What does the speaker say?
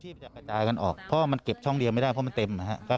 มันจะกระจายกันออกเพราะว่ามันเก็บช่องเดียวไม่ได้เพราะมันเต็มนะครับ